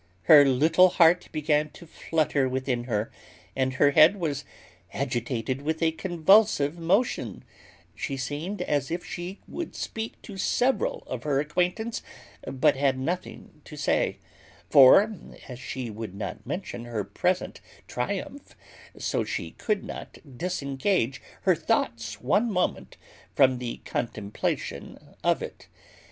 Her little heart began to flutter within her, and her head was agitated with a convulsive motion: she seemed as if she would speak to several of her acquaintance, but had nothing to say; for, as she would not mention her present triumph, so she could not disengage her thoughts one moment from the contemplation of it.